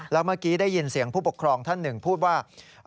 แล้วเมื่อกี้ได้ยินเสียงผู้ปกครองท่านหนึ่งพูดว่า